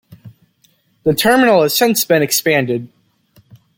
The terminal has since been expanded.